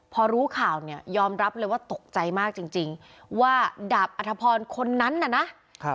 พอรู้ข่าวเนี่ยยอมรับเลยว่าตกใจมากจริงจริงว่าดาบอัธพรคนนั้นน่ะนะ